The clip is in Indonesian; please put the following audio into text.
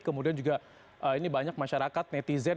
kemudian juga ini banyak masyarakat netizen